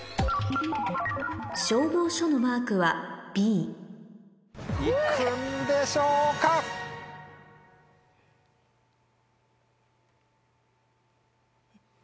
消防署のマークはＢ怖えぇ！